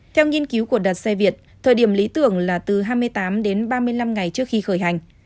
theo nghiên cứu của đặt xe việt thời điểm lý tưởng là từ hai mươi tám đến ba mươi năm ngày trước khi khởi hành